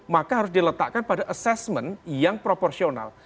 maka harus diletakkan pada assessment yang proporsional